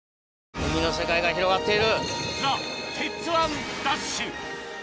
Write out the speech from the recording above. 海の世界が広がっている。